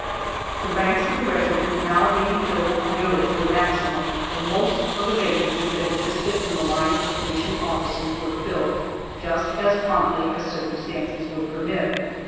] The ranks of the regiment now being filled nearly to the maximum, the most of the vacancies that existed in the line of commissioned officers were filled just as promptly as circumstances would permit.